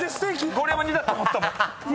ゴリエも２だと思った。